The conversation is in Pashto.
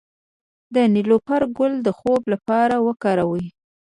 د نیلوفر ګل د خوب لپاره وکاروئ